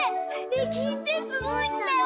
ねえきいてすごいんだよ！